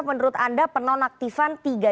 menurut anda penonaktifan tiga